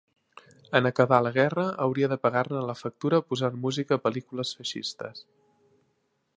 En acabar la guerra hauria de pagar-ne la factura posant música a pel·lícules feixistes.